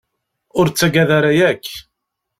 Ur tettaggad ara akk.